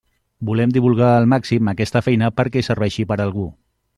Volem divulgar al màxim aquesta feina perquè serveixi per a algú.